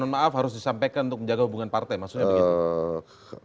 mohon maaf harus disampaikan untuk menjaga hubungan partai maksudnya begitu